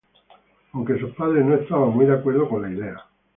Aunque sus padres no estaban muy de acuerdo con la idea.